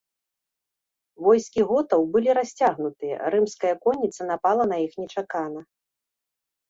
Войскі готаў былі расцягнутыя, рымская конніца напала на іх нечакана.